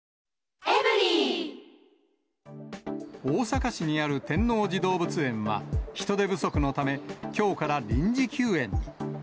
大阪市にある天王寺動物園は、人手不足のため、きょうから臨時休園に。